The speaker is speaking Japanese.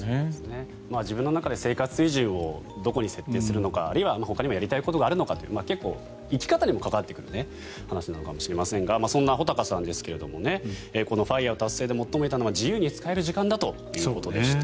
自分の中で生活水準をどこに設定するのかあるいはほかにもやりたいことがあるのかという生き方にも関わってくる話なのかもしれませんがそんな穂高さんですがこのＦＩＲＥ達成で最も得たのは自由に使える時間だということでした。